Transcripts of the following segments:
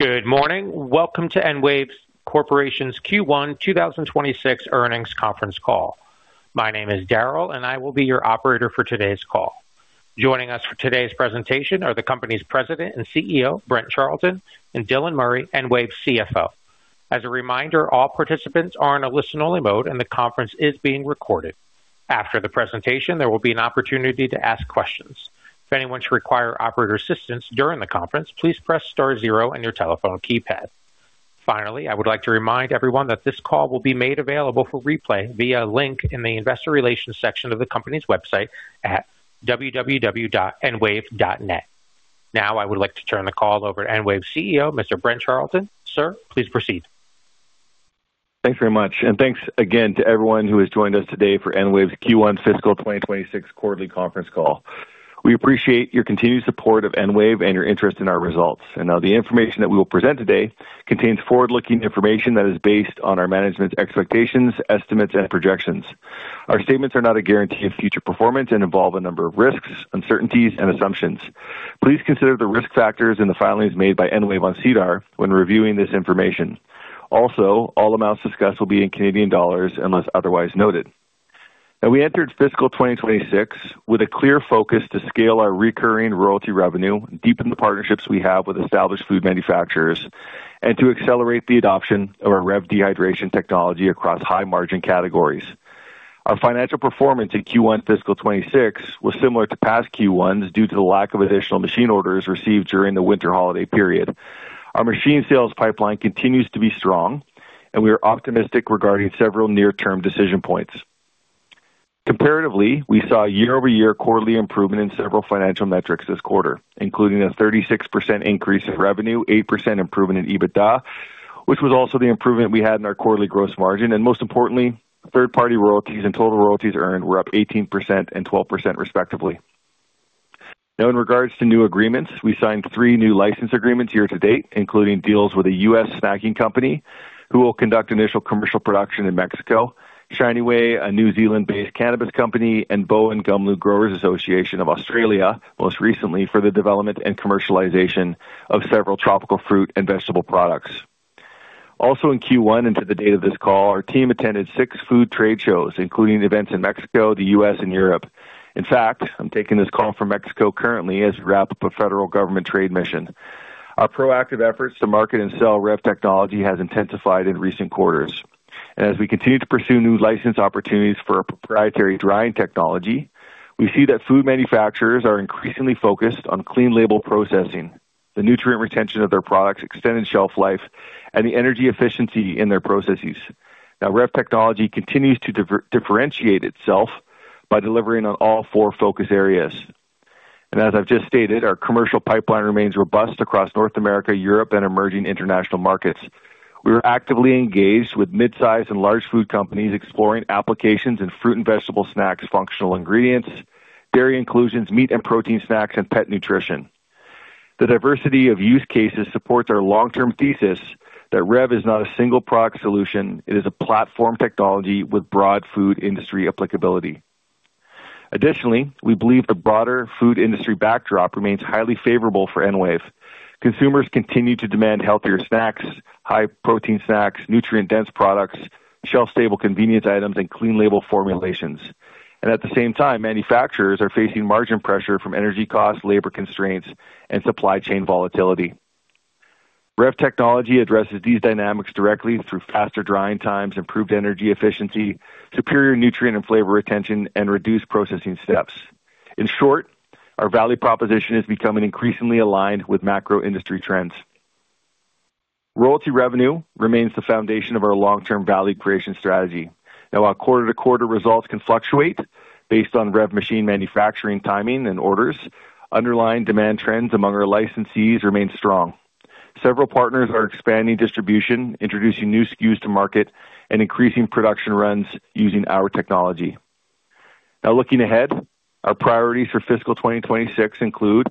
Good morning. Welcome to EnWave Corporation's Q1 2026 Earnings Conference Call. My name is Daryl, and I will be your operator for today's call. Joining us for today's presentation are the company's President and CEO, Brent Charleton, and Dylan Murray, EnWave CFO. As a reminder, all participants are in a listen-only mode, and the conference is being recorded. After the presentation, there will be an opportunity to ask questions. If anyone should require operator assistance during the conference, please press star zero on your telephone keypad. Finally, I would like to remind everyone that this call will be made available for replay via a link in the Investor Relations section of the company's website at www.enwave.net. Now, I would like to turn the call over to EnWave CEO, Mr. Brent Charleton. Sir, please proceed. Thanks very much, and thanks again to everyone who has joined us today for EnWave's Q1 fiscal 2026 quarterly conference call. We appreciate your continued support of EnWave and your interest in our results. And now, the information that we will present today contains forward-looking information that is based on our management's expectations, estimates, and projections. Our statements are not a guarantee of future performance and involve a number of risks, uncertainties, and assumptions. Please consider the risk factors in the filings made by EnWave on SEDAR when reviewing this information. Also, all amounts discussed will be in Canadian dollars, unless otherwise noted. Now, we entered fiscal 2026 with a clear focus to scale our recurring royalty revenue, deepen the partnerships we have with established food manufacturers, and to accelerate the adoption of our REV dehydration technology across high-margin categories. Our financial performance in Q1 fiscal 2026 was similar to past Q1s due to the lack of additional machine orders received during the winter holiday period. Our machine sales pipeline continues to be strong, and we are optimistic regarding several near-term decision points. Comparatively, we saw year-over-year quarterly improvement in several financial metrics this quarter, including a 36% increase in revenue, 8% improvement in EBITDA, which was also the improvement we had in our quarterly gross margin, and most importantly, third-party royalties and total royalties earned were up 18% and 12%, respectively. Now, in regards to new agreements, we signed three new license agreements year to date, including deals with a U.S. snacking company who will conduct initial commercial production in Mexico, Shiny Way, a New Zealand-based cannabis company, and Bowen Gumlu Growers Association of Australia, most recently for the development and commercialization of several tropical fruit and vegetable products. Also, in Q1 and to the date of this call, our team attended six food trade shows, including events in Mexico, the U.S., and Europe. In fact, I'm taking this call from Mexico currently as we wrap up a federal government trade mission. Our proactive efforts to market and sell REV technology has intensified in recent quarters. As we continue to pursue new license opportunities for our proprietary drying technology, we see that food manufacturers are increasingly focused on clean label processing, the nutrient retention of their products, extended shelf life, and the energy efficiency in their processes. Now, REV technology continues to differentiate itself by delivering on all four focus areas. And as I've just stated, our commercial pipeline remains robust across North America, Europe, and emerging international markets. We are actively engaged with midsize and large food companies, exploring applications in fruit and vegetable snacks, functional ingredients, dairy inclusions, meat and protein snacks, and pet nutrition. The diversity of use cases supports our long-term thesis that REV is not a single product solution. It is a platform technology with broad food industry applicability. Additionally, we believe the broader food industry backdrop remains highly favorable for EnWave. Consumers continue to demand healthier snacks, high-protein snacks, nutrient-dense products, shelf-stable convenience items, and clean label formulations. At the same time, manufacturers are facing margin pressure from energy costs, labor constraints, and supply chain volatility. REV technology addresses these dynamics directly through faster drying times, improved energy efficiency, superior nutrient and flavor retention, and reduced processing steps. In short, our value proposition is becoming increasingly aligned with macro industry trends. Royalty revenue remains the foundation of our long-term value creation strategy. Now, while quarter-to-quarter results can fluctuate based on REV machine manufacturing, timing, and orders, underlying demand trends among our licensees remain strong. Several partners are expanding distribution, introducing new SKUs to market, and increasing production runs using our technology. Now, looking ahead, our priorities for fiscal 2026 include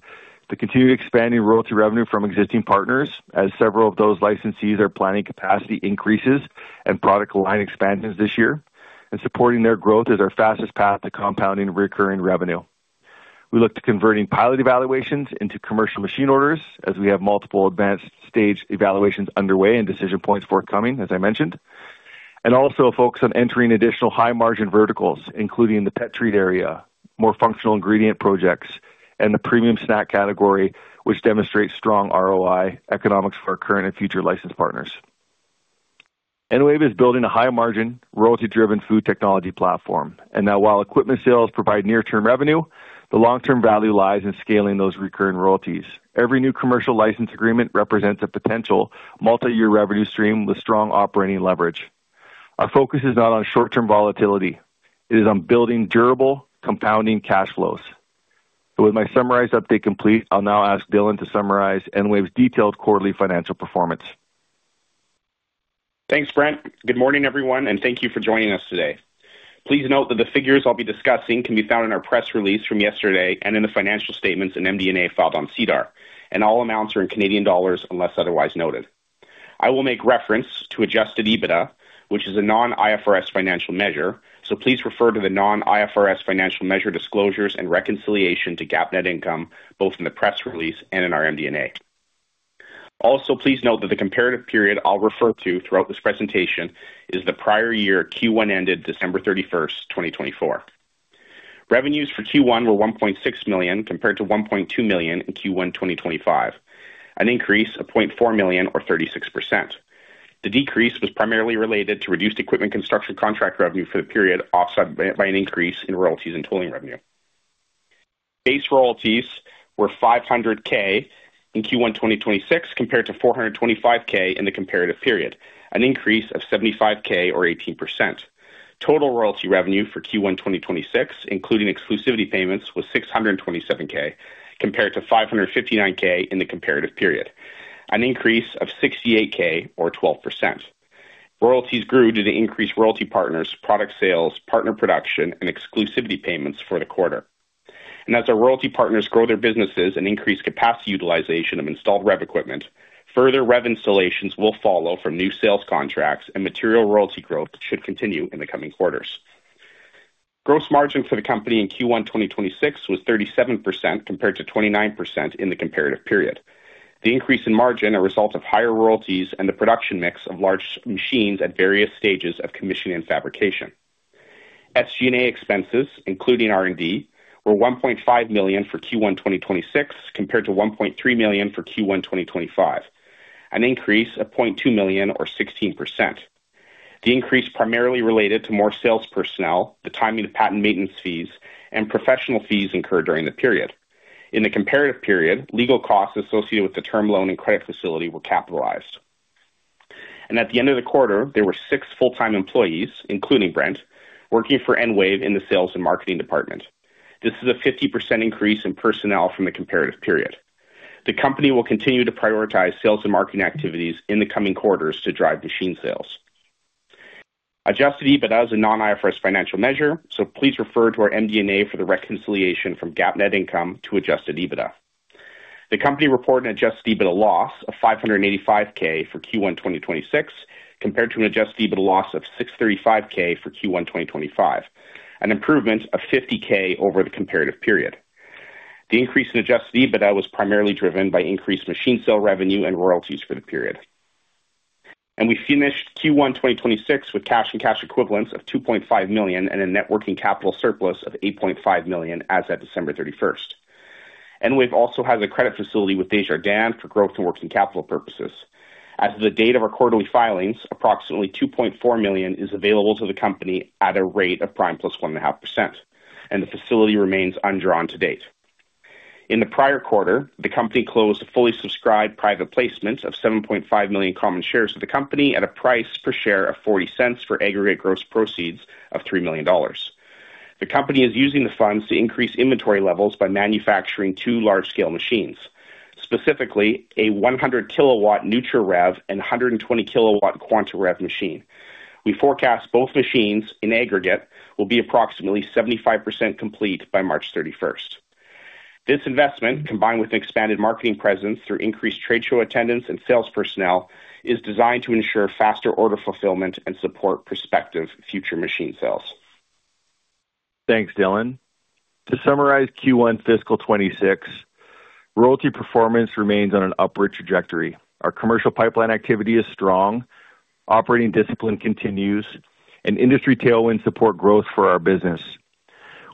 the continued expanding royalty revenue from existing partners, as several of those licensees are planning capacity increases and product line expansions this year, and supporting their growth is our fastest path to compounding recurring revenue. We look to converting pilot evaluations into commercial machine orders, as we have multiple advanced stage evaluations underway and decision points forthcoming, as I mentioned, and also focus on entering additional high-margin verticals, including the pet treat area, more functional ingredient projects, and the premium snack category, which demonstrates strong ROI economics for our current and future license partners. EnWave is building a high-margin, royalty-driven food technology platform, and now, while equipment sales provide near-term revenue, the long-term value lies in scaling those recurring royalties. Every new commercial license agreement represents a potential multiyear revenue stream with strong operating leverage. Our focus is not on short-term volatility, it is on building durable, compounding cash flows. With my summarized update complete, I'll now ask Dylan to summarize EnWave's detailed quarterly financial performance. Thanks, Brent. Good morning, everyone, and thank you for joining us today. Please note that the figures I'll be discussing can be found in our press release from yesterday and in the financial statements and MD&A filed on SEDAR, and all amounts are in Canadian dollars, unless otherwise noted. I will make reference to Adjusted EBITDA, which is a non-IFRS financial measure, so please refer to the non-IFRS financial measure disclosures and reconciliation to GAAP net income, both in the press release and in our MD&A. Also, please note that the comparative period I'll refer to throughout this presentation is the prior year, Q1, ended December 31st, 2024. Revenues for Q1 were 1.6 million, compared to 1.2 million in Q1 2025, an increase of 0.4 million or 36%. The decrease was primarily related to reduced equipment construction contract revenue for the period, offset by an increase in royalties and tooling revenue. Base royalties were 500K in Q1 2026, compared to 425K in the comparative period, an increase of 75K or 18%. Total royalty revenue for Q1 2026, including exclusivity payments, was 627K, compared to 559K in the comparative period, an increase of 68K or 12%. Royalties grew due to increased royalty partners, product sales, partner production, and exclusivity payments for the quarter. And as our royalty partners grow their businesses and increase capacity utilization of installed REV equipment, further REV installations will follow from new sales contracts and material royalty growth should continue in the coming quarters. Gross margin for the company in Q1 2026 was 37%, compared to 29% in the comparative period. The increase in margin are result of higher royalties and the production mix of large machines at various stages of commissioning and fabrication. SG&A expenses, including R&D, were 1.5 million for Q1 2026, compared to 1.3 million for Q1 2025, an increase of 0.2 million or 16%. The increase primarily related to more sales personnel, the timing of patent maintenance fees, and professional fees incurred during the period. In the comparative period, legal costs associated with the term loan and credit facility were capitalized. At the end of the quarter, there were 6 full-time employees, including Brent, working for EnWave in the sales and marketing department. This is a 50% increase in personnel from the comparative period. The company will continue to prioritize sales and marketing activities in the coming quarters to drive machine sales. Adjusted EBITDA is a non-IFRS financial measure, so please refer to our MD&A for the reconciliation from GAAP net income to Adjusted EBITDA. The company reported an Adjusted EBITDA loss of 585K for Q1 2026, compared to an Adjusted EBITDA loss of 635K for Q1 2025, an improvement of 50K over the comparative period. The increase in Adjusted EBITDA was primarily driven by increased machine sale revenue and royalties for the period. We finished Q1 2026 with cash and cash equivalents of 2.5 million and a net working capital surplus of 8.5 million as of December 31. EnWave also has a credit facility with Desjardins for growth and working capital purposes. As of the date of our quarterly filings, approximately 2.4 million is available to the company at a rate of prime + 1.5%, and the facility remains undrawn to date. In the prior quarter, the company closed a fully subscribed private placement of 7.5 million common shares to the company at a price per share of 0.40 for aggregate gross proceeds of 3 million dollars. The company is using the funds to increase inventory levels by manufacturing two large-scale machines, specifically a 100-kilowatt nutraREV and a 120-kilowatt quantaREV machine. We forecast both machines in aggregate will be approximately 75% complete by March 31st. This investment, combined with an expanded marketing presence through increased trade show attendance and sales personnel, is designed to ensure faster order fulfillment and support prospective future machine sales. Thanks, Dylan. To summarize Q1 fiscal 2026, royalty performance remains on an upward trajectory. Our commercial pipeline activity is strong, operating discipline continues, and industry tailwinds support growth for our business.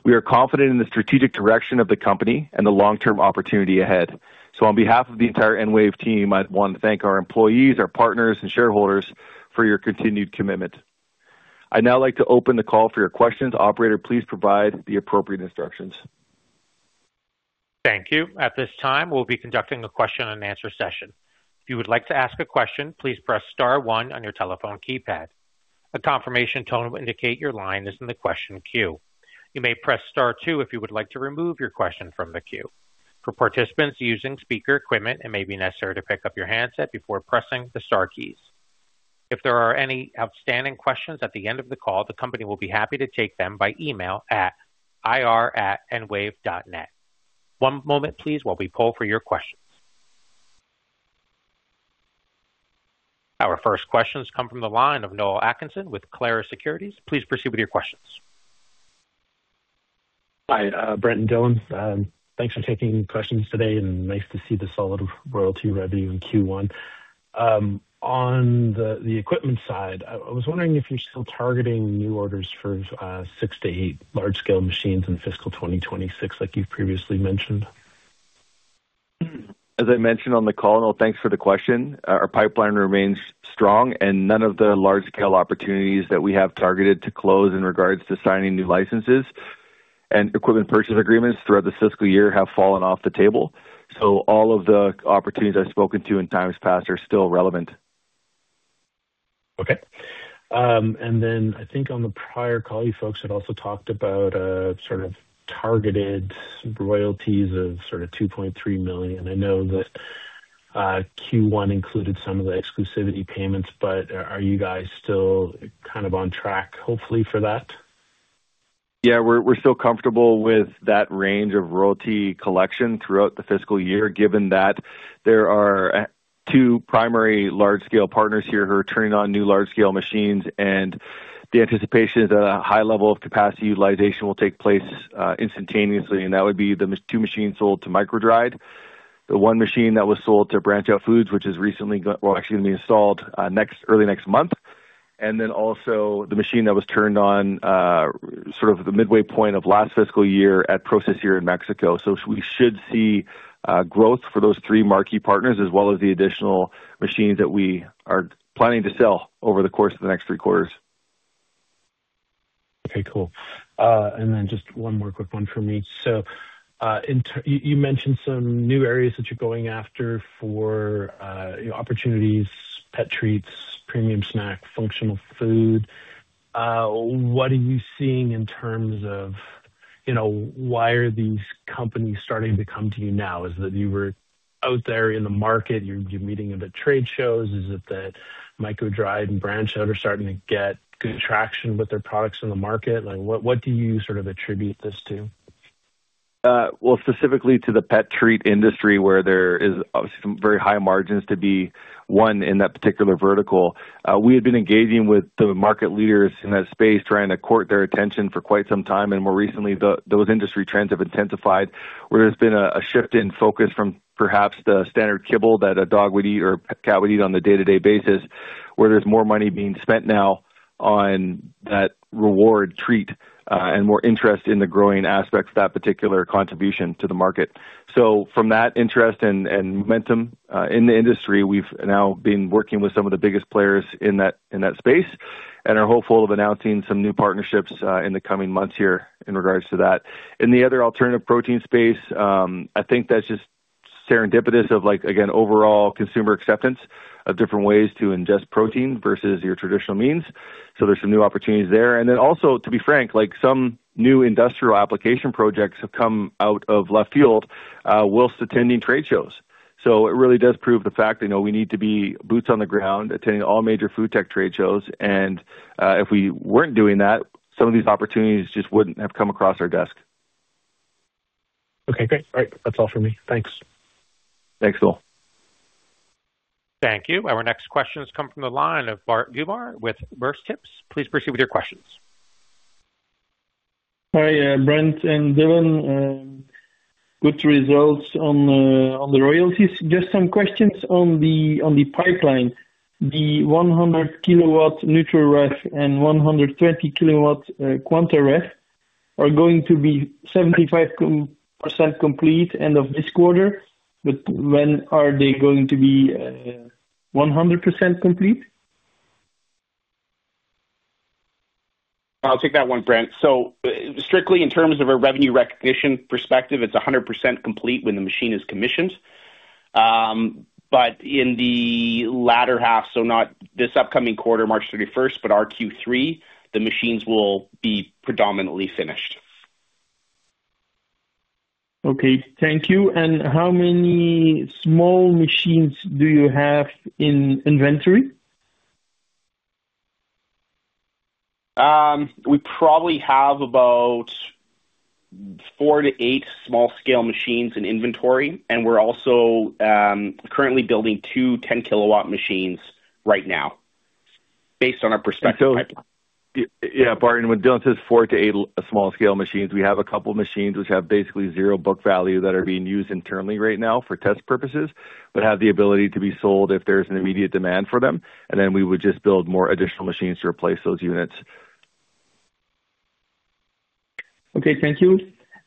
We are confident in the strategic direction of the company and the long-term opportunity ahead. So on behalf of the entire EnWave team, I want to thank our employees, our partners, and shareholders for your continued commitment. I'd now like to open the call for your questions. Operator, please provide the appropriate instructions. Thank you. At this time, we'll be conducting a question-and-answer session. If you would like to ask a question, please press star one on your telephone keypad. A confirmation tone will indicate your line is in the question queue. You may press star two if you would like to remove your question from the queue. For participants using speaker equipment, it may be necessary to pick up your handset before pressing the star keys. If there are any outstanding questions at the end of the call, the company will be happy to take them by email at ir@enwave.net. One moment, please, while we poll for your questions. Our first questions come from the line of Noel Atkinson with Clarus Securities. Please proceed with your questions. Hi, Brent and Dylan. Thanks for taking questions today, and nice to see the solid royalty revenue in Q1. On the equipment side, I was wondering if you're still targeting new orders for six-eight large-scale machines in fiscal 2026, like you've previously mentioned. As I mentioned on the call, Noel, thanks for the question. Our pipeline remains strong and none of the large-scale opportunities that we have targeted to close in regards to signing new licenses and equipment purchase agreements throughout the fiscal year have fallen off the table. So all of the opportunities I've spoken to in times past are still relevant. Okay. And then I think on the prior call, you folks had also talked about sort of targeted royalties of sort of 2.3 million. I know that Q1 included some of the exclusivity payments, but are you guys still kind of on track, hopefully, for that? Yeah, we're still comfortable with that range of royalty collection throughout the fiscal year, given that there are two primary large-scale partners here who are turning on new large-scale machines, and the anticipation that a high level of capacity utilization will take place instantaneously, and that would be the two machines sold to MicroDried. The one machine that was sold to BranchOut Food, which is, well, actually going to be installed early next month. And then also the machine that was turned on sort of the midway point of last fiscal year at Procescir in Mexico. So we should see growth for those three marquee partners, as well as the additional machines that we are planning to sell over the course of the next three quarters. Okay, cool. And then just one more quick one for me. So, in you, you mentioned some new areas that you're going after for opportunities, pet treats, premium snack, functional food. What are you seeing in terms of, you know, why are these companies starting to come to you now? Is it that you were out there in the market, you're meeting at the trade shows? Is it that MicroDried and BranchOut are starting to get good traction with their products in the market? Like, what do you sort of attribute this to? Well, specifically to the pet treat industry, where there is obviously some very high margins to be won in that particular vertical. We had been engaging with the market leaders in that space, trying to court their attention for quite some time, and more recently, those industry trends have intensified, where there's been a shift in focus from perhaps the standard kibble that a dog would eat or a cat would eat on a day-to-day basis, where there's more money being spent now on that reward treat, and more interest in the growing aspects of that particular contribution to the market. So from that interest and momentum in the industry, we've now been working with some of the biggest players in that space, and are hopeful of announcing some new partnerships in the coming months here in regards to that. In the other alternative protein space, I think that's just serendipitous of like, again, overall consumer acceptance of different ways to ingest protein versus your traditional means. So there's some new opportunities there. And then also, to be frank, like some new industrial application projects have come out of left field, while attending trade shows. So it really does prove the fact that, you know, we need to be boots on the ground, attending all major food tech trade shows. And, if we weren't doing that, some of these opportunities just wouldn't have come across our desk. Okay, great. All right. That's all for me. Thanks. Thanks, Joel. Thank you. Our next question has come from the line of Bart Goemaere with BeursTips. Please proceed with your questions. Hi, Brent and Dylan. Good results on the royalties. Just some questions on the pipeline. The 100-kilowatt nutraREV and 120-kilowatt quantaREV are going to be 75% complete end of this quarter, but when are they going to be 100% complete? I'll take that one, Brent. So strictly in terms of a revenue recognition perspective, it's 100% complete when the machine is commissioned. But in the latter half, so not this upcoming quarter, March 31st, but our Q3, the machines will be predominantly finished. Okay. Thank you. How many small machines do you have in inventory? We probably have about four-eight small-scale machines in inventory, and we're also currently building two 10-kilowatt machines right now, based on our prospective pipeline. Yeah, Bart, and when Dylan says four-eight small-scale machines, we have a couple machines which have basically zero book value, that are being used internally right now for test purposes, but have the ability to be sold if there's an immediate demand for them. And then we would just build more additional machines to replace those units. Okay, thank you.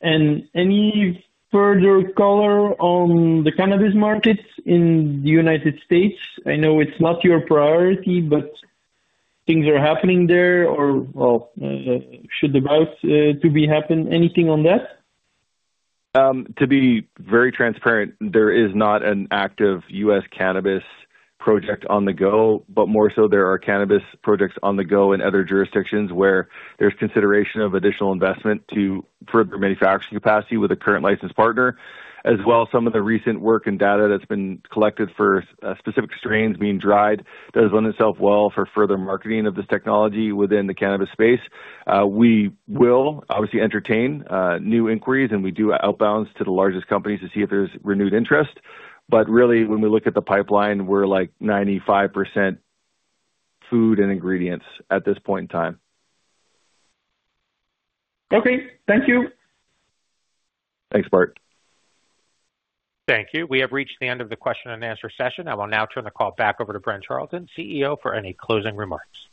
And any further color on the cannabis markets in the United States? I know it's not your priority, but things are happening there, or, well, should the routes to be happen, anything on that? To be very transparent, there is not an active U.S. cannabis project on the go, but more so there are cannabis projects on the go in other jurisdictions, where there's consideration of additional investment to further manufacturing capacity with a current licensed partner, as well as some of the recent work and data that's been collected for specific strains being dried, does lend itself well for further marketing of this technology within the cannabis space. We will obviously entertain new inquiries, and we do outbounds to the largest companies to see if there's renewed interest. But really, when we look at the pipeline, we're like 95% food and ingredients at this point in time. Okay, thank you. Thanks, Bart. Thank you. We have reached the end of the question and answer session. I will now turn the call back over to Brent Charleton, CEO, for any closing remarks.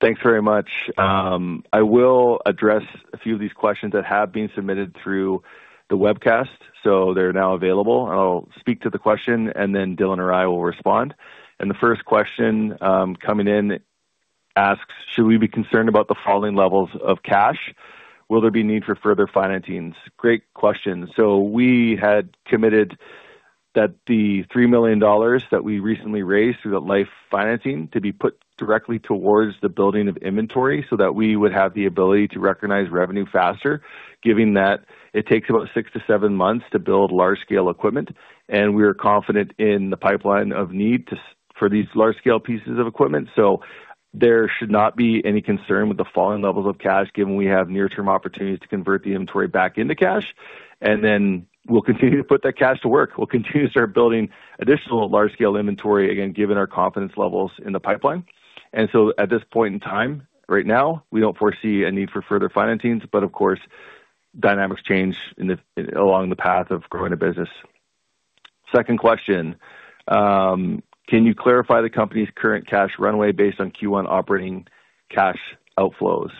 Thanks very much. I will address a few of these questions that have been submitted through the webcast, so they're now available. I'll speak to the question, and then Dylan or I will respond. The first question coming in asks: Should we be concerned about the falling levels of cash? Will there be need for further financings? Great question. So we had committed that the 3 million dollars that we recently raised through the life financing to be put directly towards the building of inventory, so that we would have the ability to recognize revenue faster, given that it takes about six-seven months to build large-scale equipment, and we are confident in the pipeline of need for these large-scale pieces of equipment. So there should not be any concern with the falling levels of cash, given we have near-term opportunities to convert the inventory back into cash. And then we'll continue to put that cash to work. We'll continue to start building additional large-scale inventory, again, given our confidence levels in the pipeline. And so at this point in time, right now, we don't foresee a need for further financings, but of course, dynamics change in the, along the path of growing a business. Second question, can you clarify the company's current cash runway based on Q1 operating cash outflows?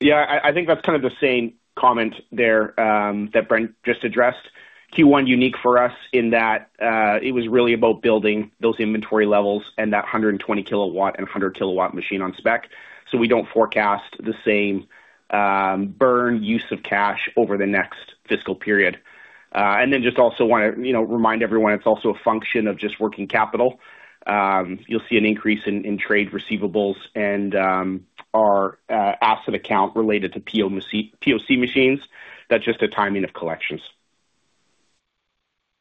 Yeah, I think that's kind of the same comment there that Brent just addressed. Q1 unique for us in that it was really about building those inventory levels and that 120-kilowatt and 100-kilowatt machine on spec. So we don't forecast the same burn use of cash over the next fiscal period. And then just also wanna, you know, remind everyone, it's also a function of just working capital. You'll see an increase in trade receivables and our asset account related to POC machines. That's just a timing of collections.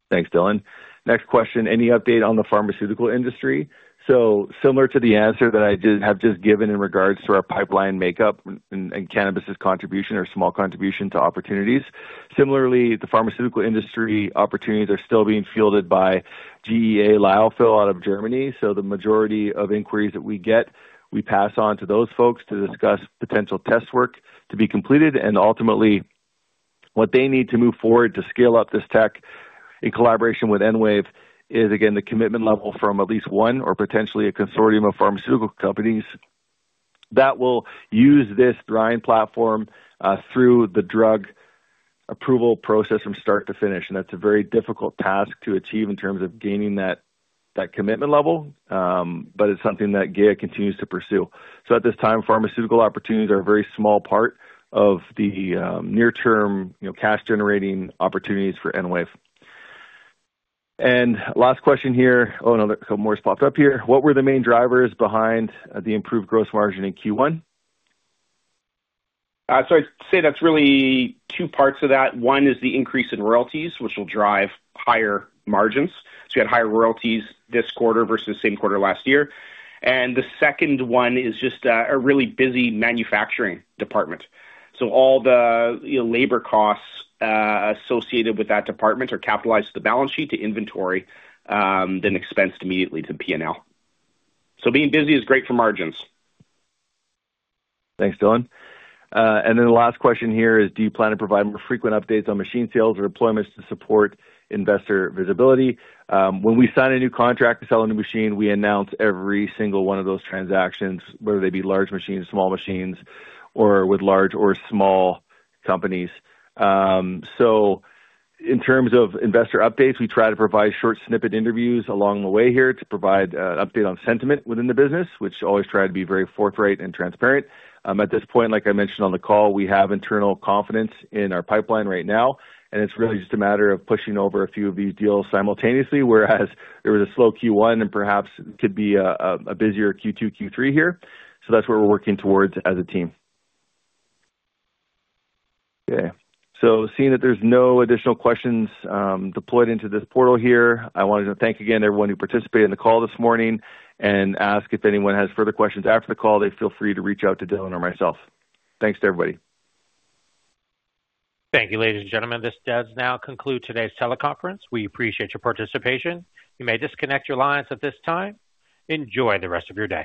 Thanks, Dylan. Next question: Any update on the pharmaceutical industry? So similar to the answer that I have just given in regards to our pipeline makeup and cannabis' contribution or small contribution to opportunities. Similarly, the pharmaceutical industry opportunities are still being fielded by GEA Lyophil out of Germany. So the majority of inquiries that we get, we pass on to those folks to discuss potential test work to be completed. And ultimately, what they need to move forward to scale up this tech in collaboration with EnWave is, again, the commitment level from at least one or potentially a consortium of pharmaceutical companies that will use this drying platform through the drug approval process from start to finish. And that's a very difficult task to achieve in terms of gaining that commitment level, but it's something that GEA continues to pursue. At this time, pharmaceutical opportunities are a very small part of the near term, you know, cash-generating opportunities for EnWave. Last question here. Oh, another couple more popped up here. What were the main drivers behind the improved gross margin in Q1? So I'd say that's really two parts of that. One is the increase in royalties, which will drive higher margins. So we had higher royalties this quarter versus the same quarter last year. And the second one is just a really busy manufacturing department. So all the, you know, labor costs associated with that department are capitalized to the balance sheet, to inventory, then expensed immediately to PNL. So being busy is great for margins. Thanks, Dylan. And then the last question here is: Do you plan to provide more frequent updates on machine sales or deployments to support investor visibility? When we sign a new contract to sell a new machine, we announce every single one of those transactions, whether they be large machines, small machines, or with large or small companies. So in terms of investor updates, we try to provide short snippet interviews along the way here to provide update on sentiment within the business, which always try to be very forthright and transparent. At this point, like I mentioned on the call, we have internal confidence in our pipeline right now, and it's really just a matter of pushing over a few of these deals simultaneously, whereas it was a slow Q1 and perhaps could be a busier Q2, Q3 here. So that's where we're working towards as a team. Okay, so seeing that there's no additional questions deployed into this portal here, I wanted to thank again everyone who participated in the call this morning and ask if anyone has further questions after the call, they feel free to reach out to Dylan or myself. Thanks to everybody. Thank you, ladies and gentlemen. This does now conclude today's teleconference. We appreciate your participation. You may disconnect your lines at this time. Enjoy the rest of your day.